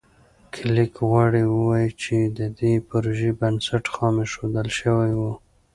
کلېک غواړي ووایي چې د دې پروژې بنسټ خام ایښودل شوی و.